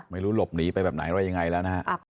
ไม่รู้หลบหนีไปแบบไหนว่ายังไงแล้วนะฮะ